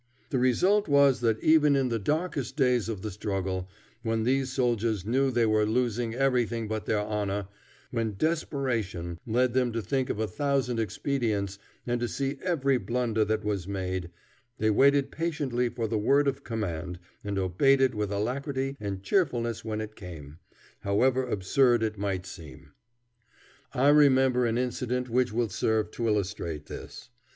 The result was that even in the darkest days of the struggle, when these soldiers knew they were losing everything but their honor, when desperation led them to think of a thousand expedients and to see every blunder that was made, they waited patiently for the word of command, and obeyed it with alacrity and cheerfulness when it came, however absurd it might seem. I remember an incident which will serve to illustrate this.